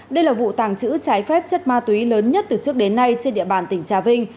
đây là vụ tàng trữ trái phép chất ma túy lớn nhất từ trước đến nay trên địa bàn tỉnh trà vinh